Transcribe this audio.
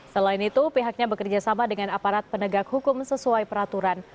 selain itu pihaknya bekerjasama dengan aparat penegak hukum sesuai peraturan